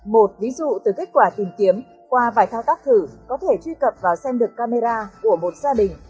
một ví dụ từ kết quả tìm kiếm qua vài thao tác thử có thể truy cập và xem được camera của một gia đình